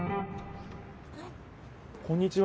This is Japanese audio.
こんにちは。